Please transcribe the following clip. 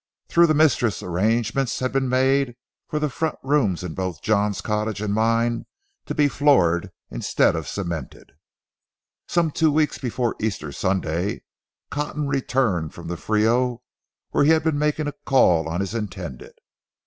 Through the mistress, arrangements had been made for the front rooms in both John's cottage and mine to be floored instead of cemented. Some two weeks before Easter Sunday, Cotton returned from the Frio, where he had been making a call on his intended.